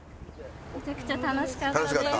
めちゃくちゃ楽しかったです。